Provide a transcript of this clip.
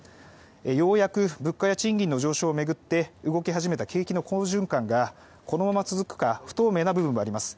ようやく物価や賃金の上昇を巡って動き始めた景気の好循環がこのまま続くか不透明な部分もあります。